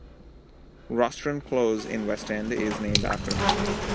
Rostron Close in West End is named after him.